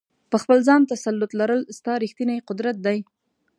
په خپل ځان تسلط لرل، ستا ریښتنی قدرت دی.